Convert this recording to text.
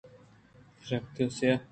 سپیت ءُ سیاہ